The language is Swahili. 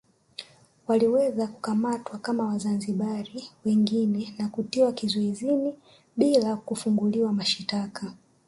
Waliweza kukamatwa kama Wazanzibari wengine na kutiwa kizuizini bila kufunguliwa mashitaka